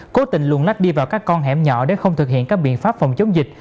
cố tình luồn lách đi vào các con hẻm nhỏ để không thực hiện các biện pháp phòng chống dịch